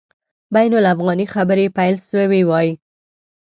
بین الافغاني خبري پیل سوي وای.